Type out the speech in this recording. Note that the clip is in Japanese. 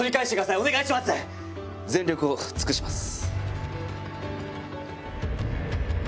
全力を尽くします。